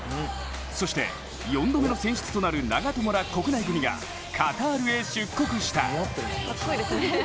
そして４度目の選出となる長友ら、国内組がカタールへ出国した。